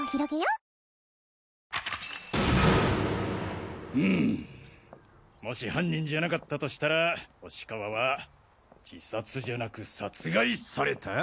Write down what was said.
うむもし犯人じゃなかったとしたら押川は自殺じゃなく殺害された？